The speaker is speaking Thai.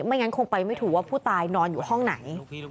งั้นคงไปไม่ถูกว่าผู้ตายนอนอยู่ห้องไหน